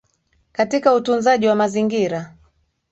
katika utunzaji wa mazingira